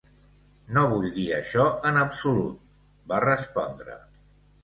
"No vull dir això en absolut", va respondre.